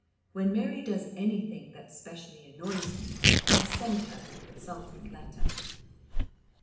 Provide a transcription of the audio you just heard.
When Mary does anything that specially annoys me I send her an insulting letter.